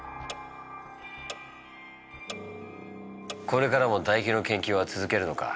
これからもだ液の研究は続けるのか？